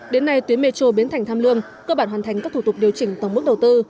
đến nay tuyến metro biến thành tham lương cơ bản hoàn thành các thủ tục điều chỉnh tổng mức đầu tư